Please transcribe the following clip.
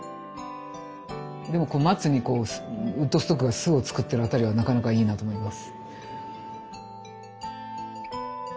でも松にウッドストックが巣を作ってるあたりがなかなかいいなと思います。